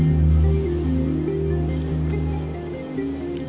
kenapa tak kerja nyerang